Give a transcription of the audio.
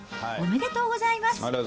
おめでとうございます。